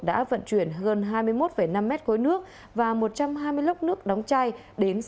đã vận chuyển hơn hai mươi một năm mét khối nước và một trăm hai mươi lốc nước đóng chai đến sáu mươi